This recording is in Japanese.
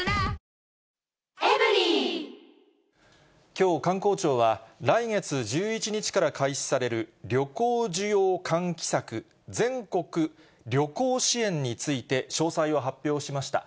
きょう、観光庁は来月１１日から開始される旅行需要喚起策、全国旅行支援について、詳細を発表しました。